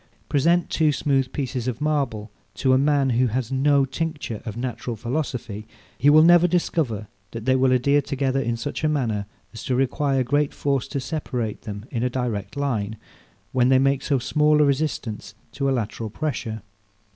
Present two smooth pieces of marble to a man who has no tincture of natural philosophy; he will never discover that they will adhere together in such a manner as to require great force to separate them in a direct line, while they make so small a resistance to a lateral pressure.